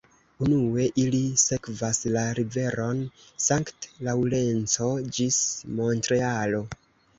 Unue ili sekvas la riveron Sankt-Laŭrenco ĝis Montrealo.